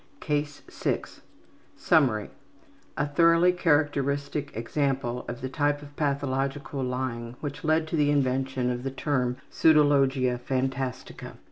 CASE 6 Summary: A thoroughly characteristic example of the type of pathological lying which led to the invention of the term pseudologia phantastica.